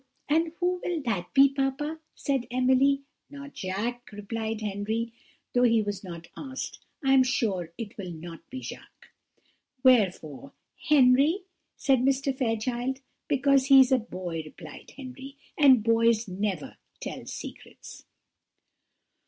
"And who will that be, papa?" said Emily. "Not Jacques," replied Henry, though he was not asked; "I am sure it will not be Jacques." "Wherefore, Henry?" said Mr. Fairchild. "Because he is a boy," replied Henry, "and boys never tell secrets."